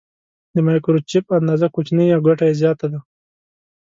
د مایکروچپ اندازه کوچنۍ او ګټه یې زیاته ده.